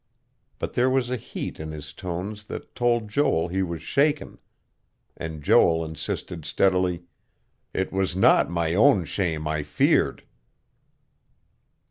But there was a heat in his tones that told Joel he was shaken. And Joel insisted steadily: "It was not my own shame I feared."